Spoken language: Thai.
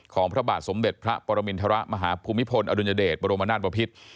ของพระบาทสมเด็จพระปรมินทรมาหาภูมิพลอดุญเดชบรมนาตปภิษฐ์